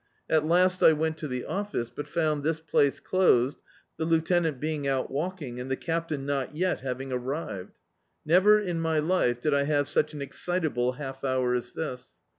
At last I went to the office, but found this place closed, the Lieutenant being out walking, and the Captain not yet having arrived. Never in my life did I have such an excitable half hour as this.